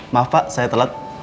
maaf pak saya telat